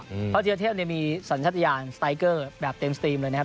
เพราะธีรธเทพมีสัญญาณสไตรเกอร์แบบเต็มสตรีมเลยนะครับ